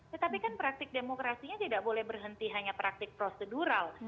tetapi kan praktik demokrasinya tidak boleh berhenti hanya praktik prosedural